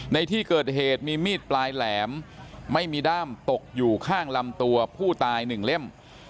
ในที่เกิดเหตุมีมีดปลายแหลมไม่มีด้ามตกอยู่ข้างลำตัวผู้ตาย๑เล่ม